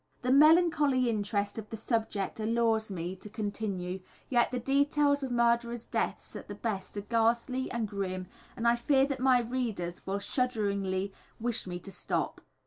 The melancholy interest of the subject allures me to continue, yet the details of murderers' deaths at the best are ghastly and grim, and I fear that my readers will shudderingly wish me to stop.